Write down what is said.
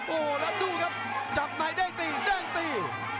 โอ้โหแล้วดูครับจับในเด้งตีเด้งตี